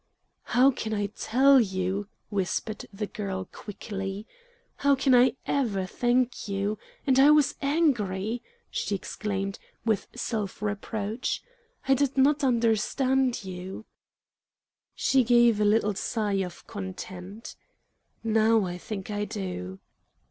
"How can I tell you?" whispered the girl quickly. "How can I ever thank you? And I was angry," she exclaimed, with self reproach. "I did not understand you." She gave a little sigh of content. "Now I think I do."